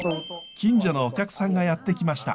近所のお客さんがやって来ました。